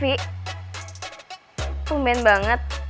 tunggu aku mau ke rumah